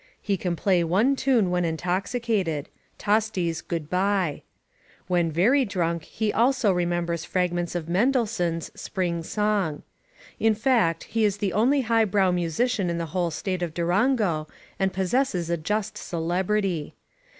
He can play one tune when intoxicated — ^Tosti's "Good Bye." When very drunk he also remembers fragments of Mendelssohn's "Spring Song." In fact, he is the only high brow musician in the whole State of Durango, and possesses a just celebrity.